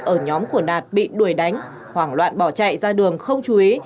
ở nhóm của đạt bị đuổi đánh hoảng loạn bỏ chạy ra đường không chú ý